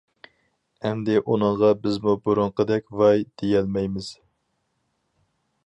ئەمدى ئۇنىڭغا بىزمۇ بۇرۇنقىدەك ۋاي دېيەلمەيمىز.